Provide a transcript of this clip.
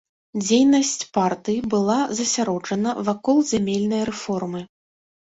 Дзейнасць партыі была засяроджана вакол зямельнай рэформы.